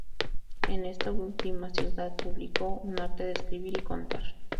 En esta última ciudad publicó un "Arte de escribir y contar.